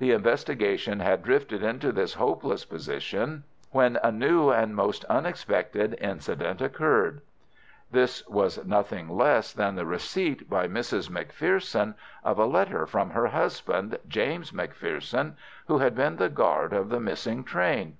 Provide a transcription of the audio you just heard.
The investigation had drifted into this hopeless position when a new and most unexpected incident occurred. This was nothing less than the receipt by Mrs. McPherson of a letter from her husband, James McPherson, who had been the guard of the missing train.